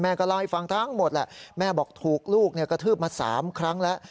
แม่ก็เล่าให้ฟังทั้งหมดแหละแม่บอกถูกลูกเนี่ยกระทืบมาสามครั้งแล้ว